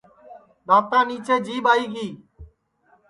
دؔاتا نیچے جیٻ آئی گی